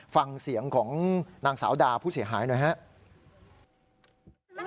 ฟังเสียงของนางสาวดาผู้เสียหายหน่อยครับ